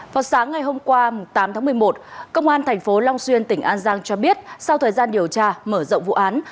vào sáng ngày hôm qua tám tháng một mươi một công an tp long xuyên tỉnh an giang cho biết sau thời gian điều tra mở rộng vụ án